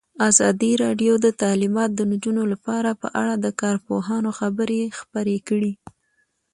ازادي راډیو د تعلیمات د نجونو لپاره په اړه د کارپوهانو خبرې خپرې کړي.